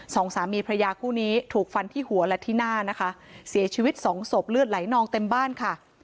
สองสามีพระยาคู่นี้ถูกฟันที่หัวและที่หน้านะคะเสียชีวิตสองศพเลือดไหลนองเต็มบ้านค่ะ